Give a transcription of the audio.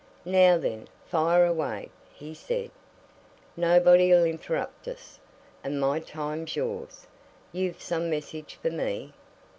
"Now, then, fire away!" he said. "Nobody'll interrupt us, and my time's yours. You've some message for me?"